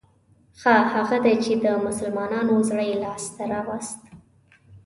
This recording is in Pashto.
ښه هغه دی چې د مسلمان زړه يې لاس ته راووست.